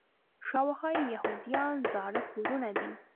شاوخوا یې د یهودانو زاړه کورونه دي.